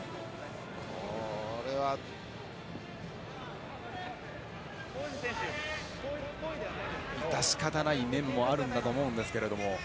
これは致し方ない面もあるんだと思いますが。